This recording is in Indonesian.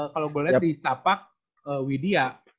kalau boleh ditapak widya